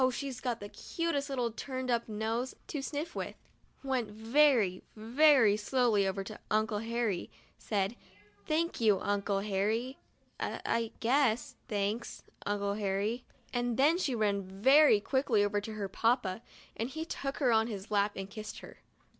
she's got the cutest little turned up nose to sniff with), went very, very slowly over to Uncle Harry, said: "Thank you, Uncle Harry. I — I — guess — thanks, Uncle Harry," and then she ran very 14 MONDAY— MY FIRST BATH quickly over to her papa, and he took her on his lap and kissed her.